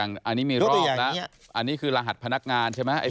อันนี้มีรอบแล้วอันนี้คือรหัสพนักงานใช่ไหม